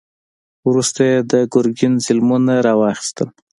وروسته یې د ګرګین ظلمونه را واخیستل.